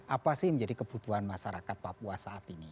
apa sih yang menjadi kebutuhan masyarakat papua saat ini